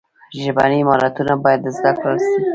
ژبني مهارتونه باید زده کړل سي.